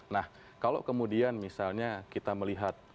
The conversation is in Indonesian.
nah kalau kemudian misalnya kita melihat